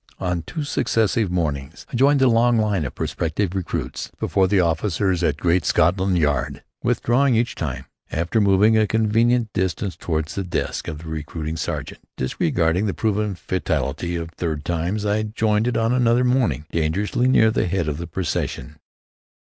On two successive mornings I joined the long line of prospective recruits before the offices at Great Scotland Yard, withdrawing each time, after moving a convenient distance toward the desk of the recruiting sergeant. Disregarding the proven fatality of third times, I joined it on another morning, dangerously near to the head of the procession.